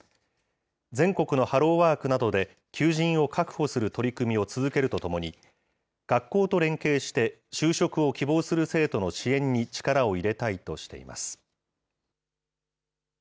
全国のハローワークなどで求人を確保する取り組みを続けるとともに、学校と連携して、就職を希望する生徒の支援に力を入れたいとしています。